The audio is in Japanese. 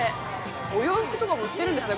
お洋服とかも売ってるんですね。